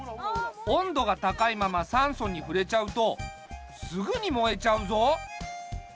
温度が高いまま酸素に触れちゃうとすぐに燃えちゃうぞ。